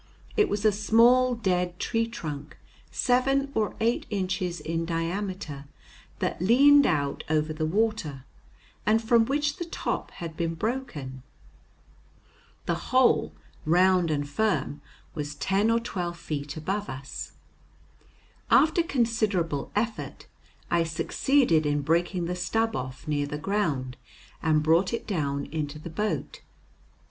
It was a small dead tree trunk seven or eight inches in diameter, that leaned out over the water, and from which the top had been broken. The hole, round and firm, was ten or twelve feet above us. After considerable effort I succeeded in breaking the stub off near the ground, and brought it down into the boat.